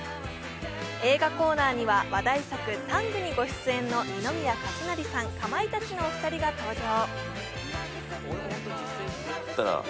映画コーナーには話題作「ＴＡＮＧタング」にご出演の二宮和也さん、かまいたちのお二人が登場。